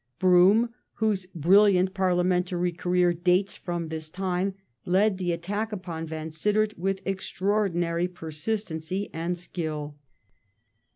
Brougham,^ whose brilliant parliamentary career dates from this time, led the attack upon Vansittart with extraordinary persistency and skill.